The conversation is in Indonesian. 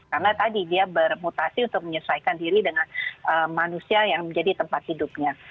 karena tadi dia bermutasi untuk menyesuaikan diri dengan manusia yang menjadi tempat hidupnya